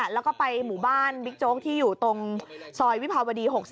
แล้วก็ไปหมู่บ้านบิ๊กโจ๊กที่อยู่ตรงซอยวิภาวดี๖๐